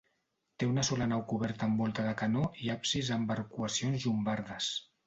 Té una sola nau coberta amb volta de canó i absis amb arcuacions llombardes.